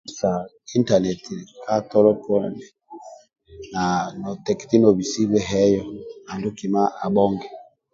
Intaneti ka tolo poni noteketi nobisebe heyo andulu kima abhonge